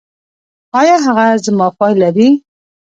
ایا هغه زما فایل لري؟